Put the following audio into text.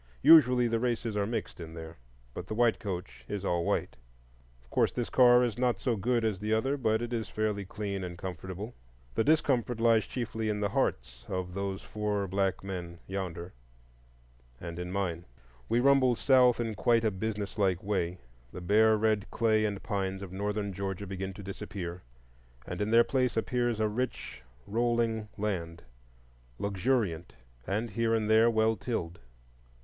Usually the races are mixed in there; but the white coach is all white. Of course this car is not so good as the other, but it is fairly clean and comfortable. The discomfort lies chiefly in the hearts of those four black men yonder—and in mine. We rumble south in quite a business like way. The bare red clay and pines of Northern Georgia begin to disappear, and in their place appears a rich rolling land, luxuriant, and here and there well tilled.